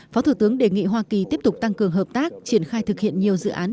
phó thủ tướng đề nghị hoa kỳ tiếp tục tăng cường hợp tác triển khai thực hiện nhiều dự án